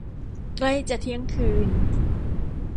ใกล้จะเที่ยงคืน